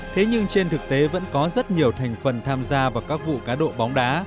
thế nhưng trên thực tế vẫn có rất nhiều thành phần tham gia vào các vụ cá độ bóng đá